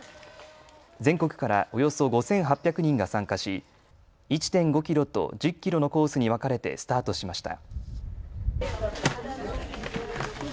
全国からおよそ５８００人が参加し、１．５キロと１０キロのコースに分かれてスタートしました。